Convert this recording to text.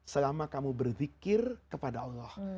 selama kamu berzikir kepada allah